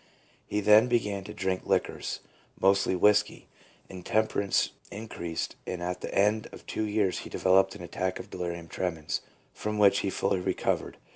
He then began to drink liquors, mostly whisky. Intemperance increased, and at the end of two years he developed an attack of delirium tremens, from which he fully recovered.